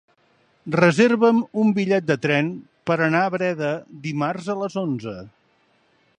Reserva'm un bitllet de tren per anar a Breda dimarts a les onze.